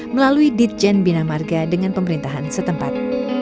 melalui ditjen bina marga dengan pemerintahan setempat